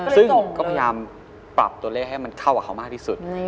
ซึ่งก็พยายามปรับตัวเลขให้มันเข้ากับเขามากที่สุด